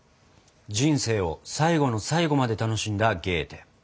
人生を最後の最後まで楽しんだゲーテ。